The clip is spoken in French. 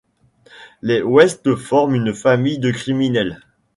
Les West forment une famille de criminels.